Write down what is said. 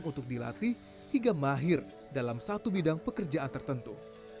sebagai tipe orang untuk dilatih hingga mahir dalam satu bidang pekerjaan tertentu